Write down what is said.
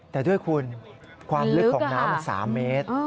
แต่ด้วยคุณความลึกของน้ำมัน๓เมตร